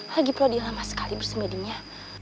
lagi pulau dia lama sekali bersemedinya